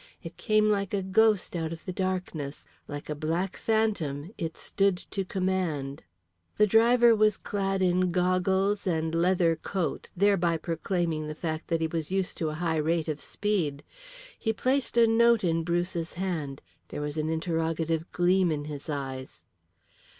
It came like a ghost out of the darkness; like a black phantom it stood to command. The driver was clad in goggles and leather coat, thereby proclaiming the fact that he was used to a high rate of speed. He placed a note in Bruce's hand; there was an interrogative gleam in his eyes.